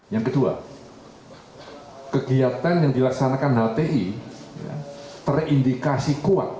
yang kedua kegiatan yang dilaksanakan hti terindikasi kuat